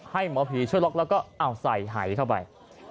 หมอผีช่วยล็อกแล้วก็ใส่หายเข้าไป